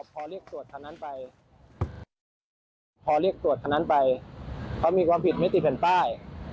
พอเรียกตรวจทางนั้นไปเขามีความผิดไม่ติดแผ่นป้าย